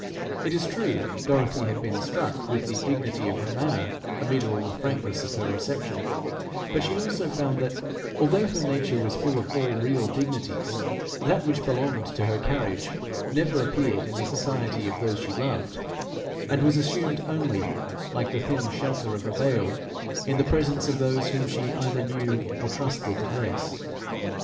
It is true, Dorothy had been struck with the dignity of her manner amid all the frankness of her reception, but she soon found that, although her nature was full of all real dignities, that which belonged to her carriage never appeared in the society of those she loved, and was assumed only, like the thin shelter of a veil, in the presence of those whom she either knew or trusted less.